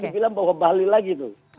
karena bilang bahwa bali lagi tuh